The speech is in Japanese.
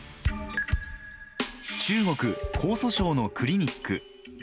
中国・江蘇省のクリニック。